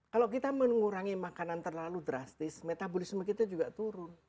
kalau kita mengurangi makanan terlalu drastis metabolisme kita juga turun